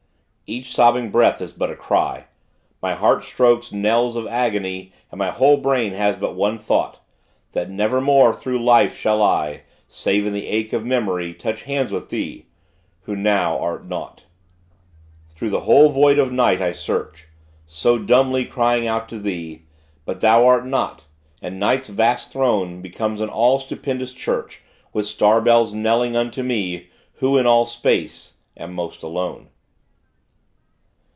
Each sobbing breath is but a cry, My heart strokes knells of agony, And my whole brain has but one thought That nevermore through life shall I (Save in the ache of memory) Touch hands with thee, who now art naught! Through the whole void of night I search, So dumbly crying out to thee; But thou are not; and night's vast throne Becomes an all stupendous church With star bells knelling unto me Who in all space am most alone!